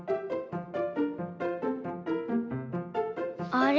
あれ？